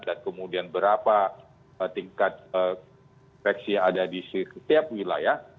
dan kemudian berapa tingkat vaksin yang ada di setiap wilayah